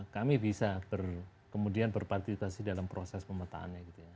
kami bisa kemudian berpartisipasi dalam proses pemetaannya gitu ya